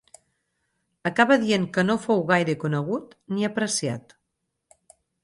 Acaba dient que no fou gaire conegut ni apreciat.